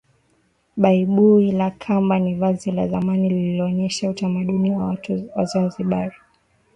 Baibui la kamba ni vazi la zamani linaloonesha utamaduni wa watu wa zanzibar